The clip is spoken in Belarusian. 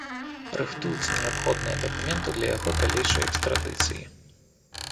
Рыхтуюцца неабходныя дакументы для яго далейшай экстрадыцыі.